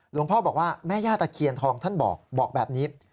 หลวงพ่อบอกว่าแม่ย่าตะเคียนทองท่านบอกบอกแบบนี้